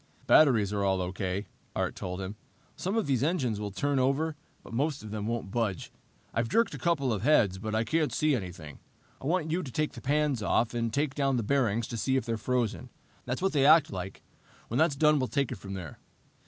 "Batteries are all okay," Art told him. "Some of these engines will turn over, but most of them won't budge. I've jerked a couple of heads, but I can't see anything. I want you to take the pans off and take down the bearings to see if they're frozen. That's what they act like. When that's done, we'll take it from there."